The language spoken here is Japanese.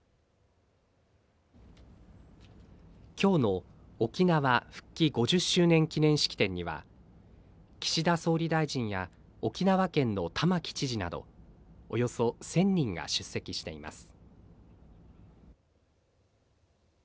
今日の「沖縄復帰５０周年記念式典」には岸田総理大臣や沖縄県の玉城知事などおよそ１０００人が出席しています。